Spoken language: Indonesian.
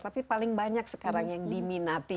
tapi paling banyak sekarang yang diminati